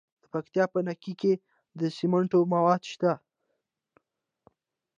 د پکتیکا په نکې کې د سمنټو مواد شته.